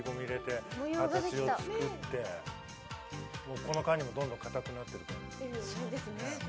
この間にもどんどんかたくなってるね。